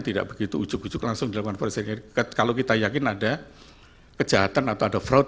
tidak begitu ujuk ujuk langsung dilakukan polisi kalau kita yakin ada kejahatan atau ada fraud